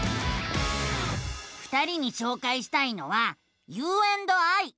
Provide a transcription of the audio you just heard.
２人にしょうかいしたいのは「ｕ＆ｉ」。